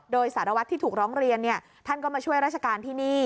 โดยสารวัตรที่ถูกร้องเรียนท่านก็มาช่วยราชการที่นี่